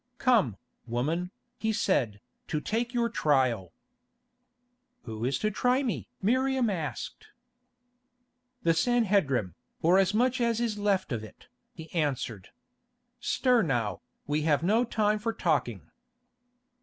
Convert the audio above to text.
"Come, woman," he said, "to take your trial." "Who is to try me?" Miriam asked. "The Sanhedrim, or as much as is left of it," he answered. "Stir now, we have no time for talking."